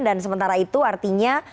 dan sementara itu artinya